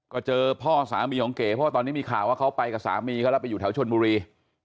ก็เจอพ่อสามีของเก๋เพราะว่าตอนนี้มีข่าวว่าเขาไปกับสามีเขาแล้วไปอยู่แถวชนบุรี